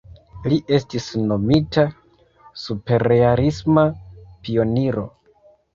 Li estis nomita "superrealisma pioniro".